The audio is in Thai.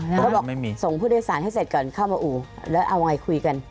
เขาบอกไม่มีส่งผู้โดยสารให้เสร็จก่อนเข้ามาอู่แล้วเอาไงคุยกัน